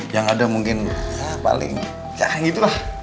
yang ada mungkin paling cah gitu lah